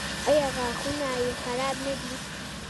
ایا غاښونه یې خراب نه دي؟